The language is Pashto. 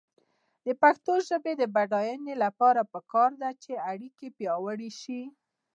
د پښتو ژبې د بډاینې لپاره پکار ده چې اړیکې پیاوړې شي.